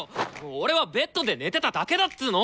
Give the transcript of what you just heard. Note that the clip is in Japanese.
俺はベッドで寝てただけだっつの！